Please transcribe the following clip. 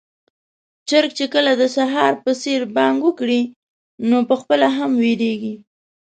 چرګ چې کله د سهار په څېر بانګ وکړي، نو پخپله هم وېريږي.